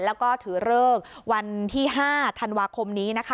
แล้วก็ถือเลิกวันที่๕ธันวาคมนี้นะคะ